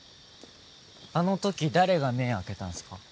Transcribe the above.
あのとき誰が目開けたんすか？